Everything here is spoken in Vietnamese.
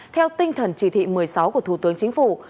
theo tinh thần chỉ thị một mươi sáu của thủ tướng chính phủ